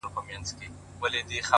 هره پوښتنه د نوې پوهې تخم دی؛